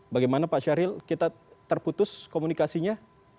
bagaimana pak syahril kita terputus komunikasinya